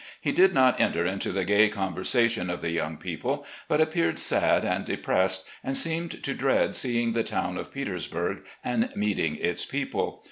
He did not enter into the gay conversation of the young people, but ap peared sad and depressed, and seemed to dread seeing the town of Petersburg and meeting its people.